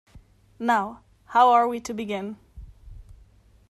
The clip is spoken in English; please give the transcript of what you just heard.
Now, how are we to begin?